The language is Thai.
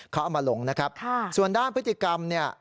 เขาเอามาลงนะครับส่วนด้านพฤติกรรมเนี่ย